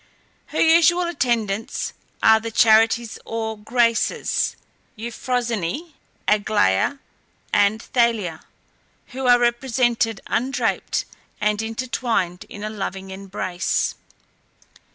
Her usual attendants are the Charites or Graces (Euphrosyne, Aglaia, and Thalia), who are represented undraped and intertwined in a loving embrace.